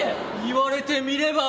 言われてみれば。